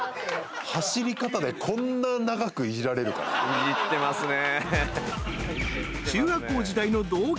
いじってますね。